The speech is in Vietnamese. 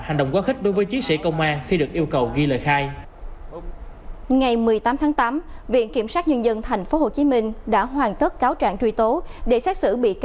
hành động quá khích đối với chiến sĩ công an khi được yêu cầu ghi lời khai